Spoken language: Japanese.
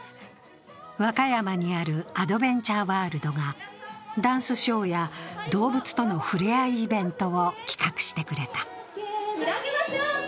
和歌山にあるアドベンチャーワールドがダンスショーや動物との触れ合いイベントを企画してくれた。